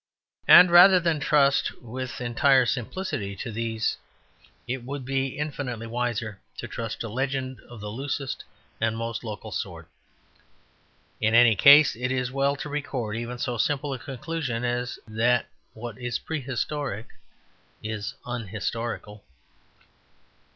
And rather than trust with entire simplicity to these it would be infinitely wiser to trust to legend of the loosest and most local sort. In any case, it is as well to record even so simple a conclusion as that what is prehistoric is unhistorical.